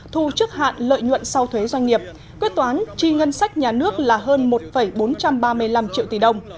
thu trước hạn lợi nhuận sau thuế doanh nghiệp quyết toán chi ngân sách nhà nước là hơn một bốn trăm ba mươi năm triệu tỷ đồng